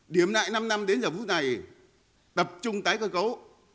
điểm lại năm năm đến giờ phút này tập trung tái cơ cấu